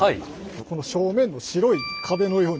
正面の白い壁のように。